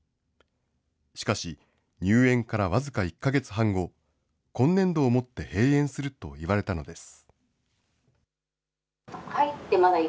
しかし、入園から僅か１か月半後、今年度をもって閉園すると言われたのです。